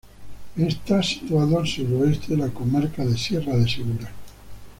Está situado al sureste de la Comarca de Sierra de Segura.